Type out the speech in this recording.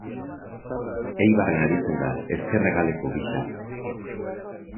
Eibarren aritzen da ezker hegalekoa gisa.